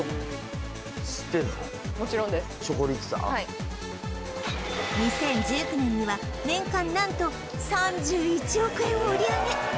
はい２０１９年には年間何と３１億円を売り上げ